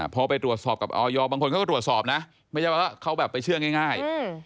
พอไปตรวจสอบกับออยบางคนเขาก็ตรวจสอบนะไม่ใช่ว่าเขาแบบไปเชื่อง่าย